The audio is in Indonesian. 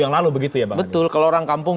yang lalu begitu ya betul kalau orang kampung